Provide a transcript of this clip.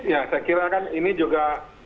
ya saya kira kan ini juga